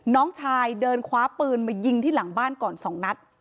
น้องชายเดินคว้าปืนมายิงที่หลังบ้านก่อน๒นัด